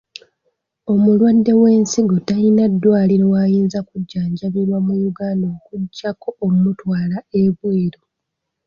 Omulwadde w'ensigo tayina ddwaliro wayinza kujjanjabirwa mu Uganda okuggyako okumutwala ebweru.